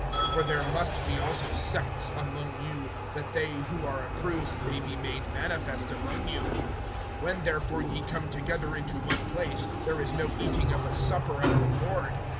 (19)For there must be also sects among you, that they who are approved may be made manifest among you. (20)When therefore ye come together into one place, there is no eating of a supper of the Lord[11:20].